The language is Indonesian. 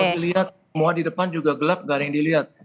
dilihat semua di depan juga gelap gak ada yang dilihat